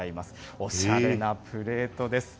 おしゃれなプレートです。